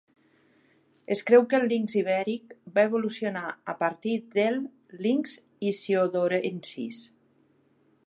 Es creu que el linx ibèric va evolucionar a partir del "Lynx issiodorensis".